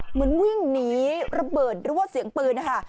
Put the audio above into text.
เหมือนวิ่งหนีระเบิดรวดเสียงปืนค่ะ